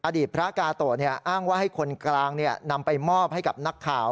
อดีตพระกาโตะอ้างว่าให้คนกลางนำไปมอบให้กับนักข่าว